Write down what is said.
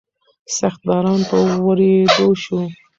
سخت باران په ورېدو شو.